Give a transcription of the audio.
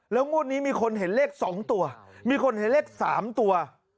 แล้วงวดนี้มีคนเห็นเลขสองตัวมีคนเห็นเลขสามตัว